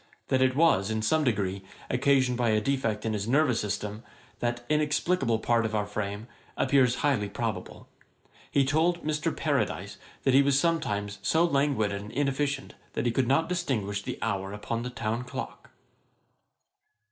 That it was, in some degree, occasioned by a defect in his nervous system, that inexplicable part of our frame, appears highly probable. He told Mr. Paradise that he was sometimes so languid and inefficient, that he could not distinguish the hour upon the town clock.